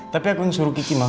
tapi aku yang suruh kiki ma